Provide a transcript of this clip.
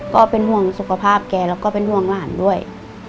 ก็เป็นห่วงสุขภาพแกแล้วก็เป็นห่วงหลานด้วย